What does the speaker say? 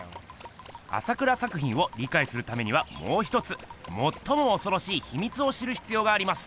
朝倉作品をりかいするためにはもうひとつもっともおそろしいひみつを知るひつようがあります。